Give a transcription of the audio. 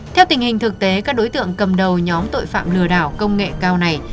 theo tình hình thực tế các đối tượng cầm đầu nhóm tội phạm lừa đảo công nghệ cao này